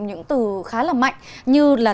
những từ khá là mạnh như là